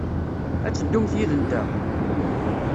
A teddumt yid-nteɣ?